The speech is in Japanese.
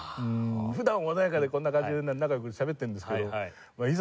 普段穏やかでこんな感じで仲良くしゃべってるんですけどいざ